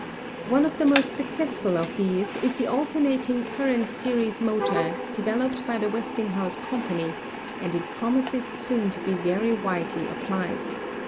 One of the most successful of these is the alternating current series motor developed by the Westinghouse Company and it promises soon to be very widely applied.